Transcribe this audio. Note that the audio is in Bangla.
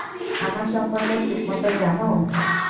আমার সম্পর্কে ঠিকমতো জানো?